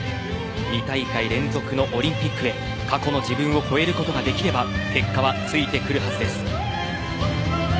２大会連続のオリンピックへ過去の自分を超えることができれば結果はついてくるはずです。